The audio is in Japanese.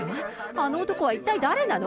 あの男は一体誰なの？